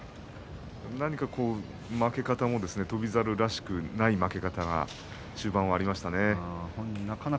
そうですね何か負け方も翔猿らしくない負け方が終盤、増えましたね。